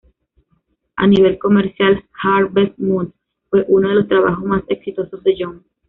A nivel comercial, "Harvest Moon" fue uno de los trabajos más exitosos de Young.